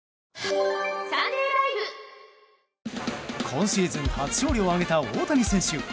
今シーズン初勝利を挙げた大谷選手。